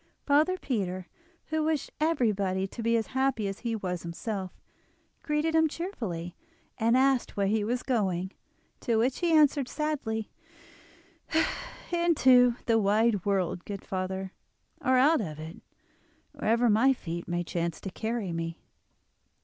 Father Peter, who wished everybody to be as happy as he was himself, greeted him cheerfully, and asked where he was going, to which he answered sadly: "Into the wide world, good father, or out of it, wherever my feet may chance to carry me."